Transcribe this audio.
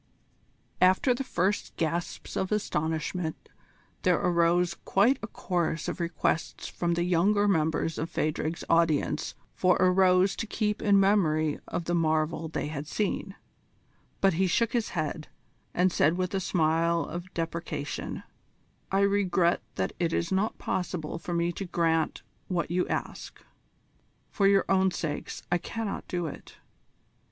After the first gasps of astonishment there arose quite a chorus of requests from the younger members of Phadrig's audience for a rose to keep in memory of the marvel they had seen; but he shook his head, and said with a smile of deprecation: "I regret that it is not possible for me to grant what you ask. For your own sakes I cannot do it.